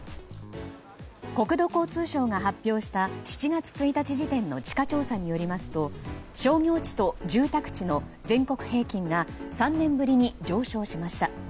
国土交通省が発表した７月１日時点の地価調査によりますと商業地と住宅地の全国平均が３年ぶりに上昇しました。